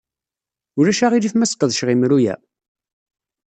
Ulac aɣilif ma sqedceɣ imru-a?